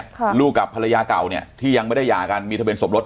ลูกกับภรรยาเก่าเนี่ยที่ยังไม่ได้หย่ากันมีทะเบียสมรส